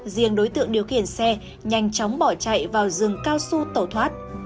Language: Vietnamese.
riêng đối tượng điều khiển xe nhanh chóng bỏ chạy vào rừng cao su tẩu thoát